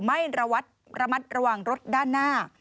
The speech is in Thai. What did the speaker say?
ไม่ระวัดระมัดระหว่างรถด้านหน้า